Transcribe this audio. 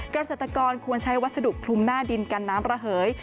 เกษตรกรควรใช้วัสดุคลุมหน้าดินกันน้ำระเหย